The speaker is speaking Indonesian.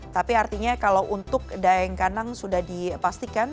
tapi artinya kalau untuk daya yang kanan sudah dipastikan